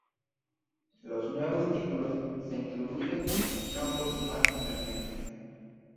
Los nuevos títulos se introducen en los campos más emergentes.